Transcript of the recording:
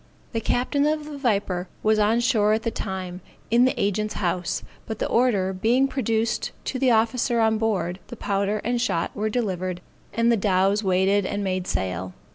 The captain of the Viper was on shore at the time, in the agent's house, but the order being produced to the officer on board, the powder and shot were delivered, and the dows weighed and made sail.